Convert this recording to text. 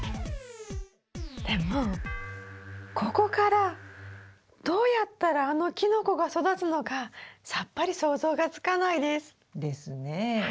でもここからどうやったらあのキノコが育つのかさっぱり想像がつかないです。ですね。